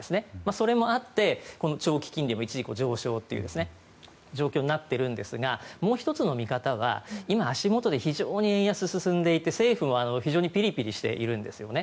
それもあって長期金利も一時期上昇という状況になっているんですがもう１つの見方は今、足元で非常に円安が進んでいて政府も非常にピリピリしているんですよね。